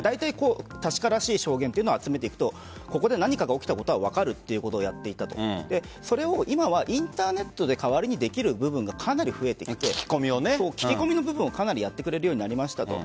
確からしい証言というのを集めていくとここで何かが起きたことが分かるということをやっていたとそれを今はインターネットで代わりにできる部分がかなり増えてきて聞き込みの部分をかなりやってくれるようになりました。